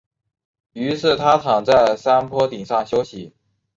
于是他躺在山坡顶上休息。